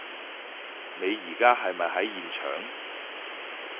你而家係咪喺現場？